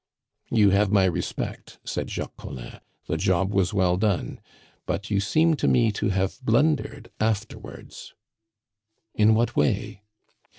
"You have my respect," said Jacques Collin. "The job was well done; but you seem to me to have blundered afterwards." "In what way?"